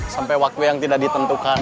sampai waktu yang tidak ditentukan